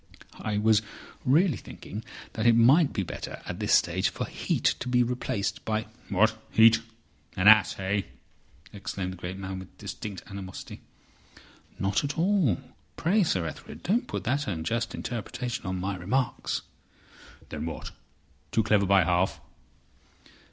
"I was really thinking that it might be better at this stage for Heat to be replaced by—" "What! Heat? An ass—eh?" exclaimed the great man, with distinct animosity. "Not at all. Pray, Sir Ethelred, don't put that unjust interpretation on my remarks." "Then what? Too clever by half?"